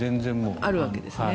あるわけですね。